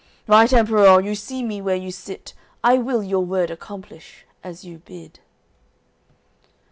Right Emperour, you see me where you sit, I will your word accomplish, as you bid.